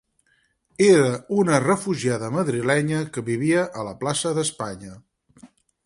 Era una refugiada madrilenya que vivia a la plaça d'Espanya.